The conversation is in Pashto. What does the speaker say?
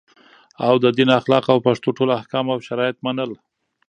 او د دین اخلاق او پښتو ټول احکام او شرایط منل